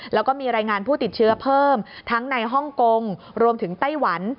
แล้วก็มีรายงานผู้ติดเชื้อเพิ่มทั้งในฮ่องกงรวมถึงไต้หวัน